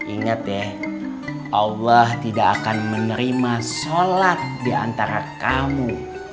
ingat ya allah tidak akan menerima sholat diantara kamu